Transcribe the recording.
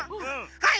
はい！